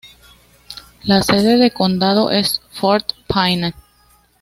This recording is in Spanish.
La sede de condado es Fort Payne.